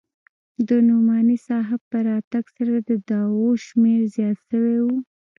د نعماني صاحب په راتگ سره د طلباوو شمېر زيات سوى و.